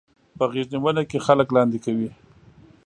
په غېږنيونه کې خلک لاندې کوي.